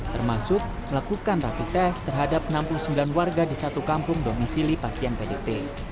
termasuk melakukan rapi tes terhadap enam puluh sembilan warga di satu kampung domisili pasien pdp